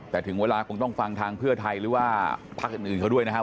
แต่ถึงเวลาคงต้องฟังทางเพื่อไทยหรือว่าพักอื่นเขาด้วยนะครับ